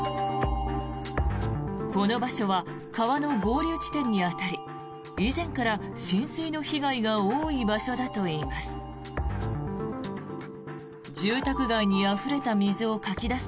この場所は川の合流地点に当たり以前から浸水の被害が多い場所だといいます。